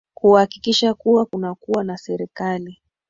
kuhakikisha kuwa kunakuwa na serikali